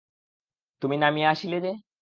তুমি নামিয়া আসিলে যে!